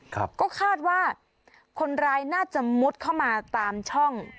ครับก็คาดว่าคนร้ายน่าจะมุดเข้ามาตามช่อง